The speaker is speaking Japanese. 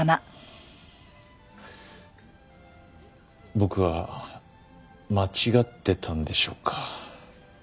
僕は間違ってたんでしょうか。